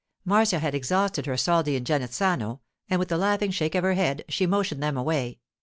Marcia had exhausted her soldi in Genazzano, and with a laughing shake of her head she motioned them away.